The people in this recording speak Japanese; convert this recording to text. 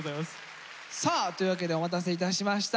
さあというわけでお待たせいたしました。